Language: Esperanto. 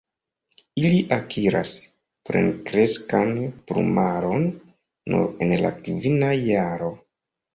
Ili akiras plenkreskan plumaron nur en la kvina jaro.